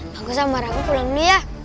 bangga sama aku pulang dulu ya